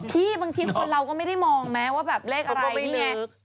บางทีคนเราก็ไม่ได้มองไหมว่าแบบเลขอะไรนี่ไง